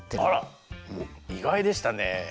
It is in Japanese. あら意外でしたね。